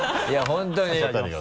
本当に。